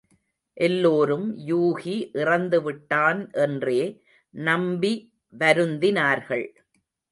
எல்லோரும் யூகி இறந்துவிட்டான் என்றே நம்பி வருந்தினார்கள்.